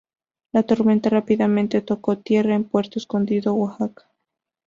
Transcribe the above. La tormenta rápidamente tocó tierra en Puerto Escondido, Oaxaca.